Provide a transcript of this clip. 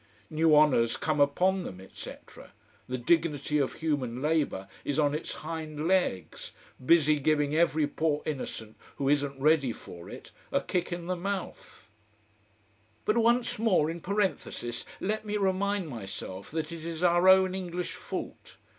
New honors come upon them, etc. The dignity of human labour is on its hind legs, busy giving every poor innocent who isn't ready for it a kick in the mouth. But, once more in parenthesis, let me remind myself that it is our own English fault.